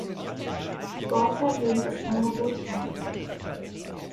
Borchert lehnt das Angebot ab.